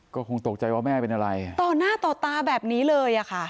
ก็คงตกใจว่าแม่เป็นอะไรต่อหน้าต่อตาแบบนี้เลยอะค่ะ